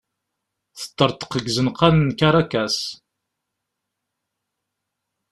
Teṭṭerḍeq deg izenqan n Karakas.